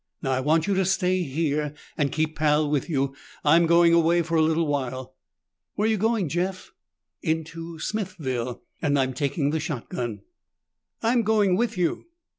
"Now I want you to stay here and keep Pal with you. I'm going away for a little while." "Where you going, Jeff?" "Into Smithville and I'm taking the shotgun." "I'm going with you."